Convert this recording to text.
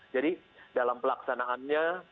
jadi dalam pelaksanaannya